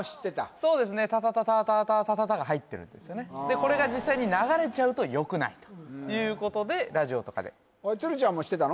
そうですね「タタタタータータータタタ」が入ってるんですよねでこれが実際に流れちゃうとよくないということでラジオとかで鶴ちゃんも知ってたの？